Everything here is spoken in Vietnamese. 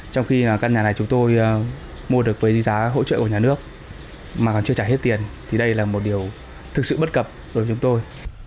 trong khi căn nhà này chúng tôi mua được với giá hỗ trợ của nhà nước mà còn chưa trả hết tiền thì đây là một điều thực sự bất cập đối với chúng tôi